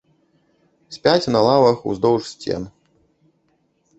Спяць на лавах уздоўж сцен.